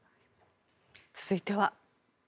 続いては。